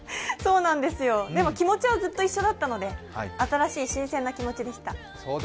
でも、気持ちはずっと一緒だったので新しい新鮮な気持ちでした。